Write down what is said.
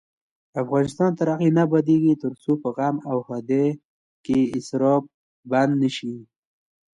افغانستان تر هغو نه ابادیږي، ترڅو په غم او ښادۍ کې اسراف بند نشي.